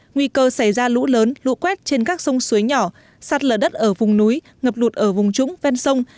nguy cơ xảy ra lũ lớn lũ quét trên các sông suối nhỏ sạt lở đất ở vùng núi ngập lụt ở vùng trũng ven sông